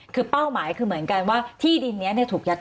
คือเป้าหมายคือเหมือนกันว่าที่ดินนี้ถูกยัด